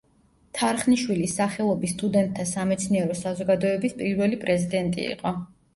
თარხნიშვილის სახელობის სტუდენტთა სამეცნიერო საზოგადოების პირველი პრეზიდენტი იყო.